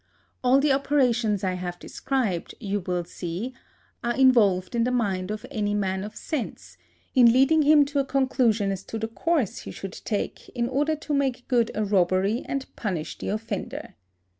All the operations I have described, you will see, are involved in the mind of any man of sense in leading him to a conclusion as to the course he should take in order to make good a robbery and punish the offender.